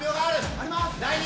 あります！